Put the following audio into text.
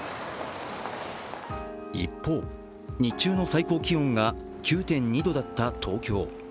一方、日中の最高気温が９．２度だった東京。